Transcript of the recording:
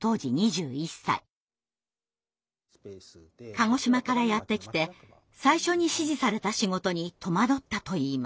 鹿児島からやって来て最初に指示された仕事に戸惑ったといいます。